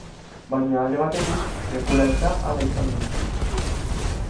Baina alde batetik, sekula ez da hala izan guztiz.